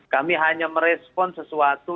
kami hanya merespon sesuatu